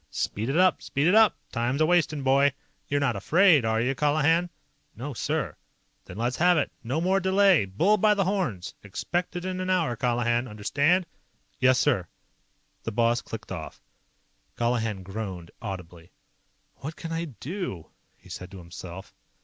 "Speed it up. Speed it up! Time's a'wastin', boy. You're not afraid, are you, Colihan?" "No, sir." "Then let's have it. No more delay! Bull by the horns! Expect it in an hour, Colihan. Understand?" "Yes, sir!" The boss clicked off. Colihan groaned audibly. "What can I do?" he said to himself.